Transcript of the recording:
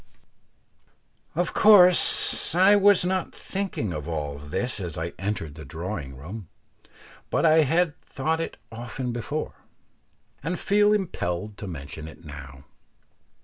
Of course I was not thinking of all this as I entered the drawing room, but I had thought it often before, and feel impelled to mention it now.